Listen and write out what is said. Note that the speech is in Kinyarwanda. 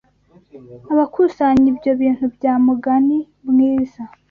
Abakusanya ibyo bintu bya mugani "mwiza"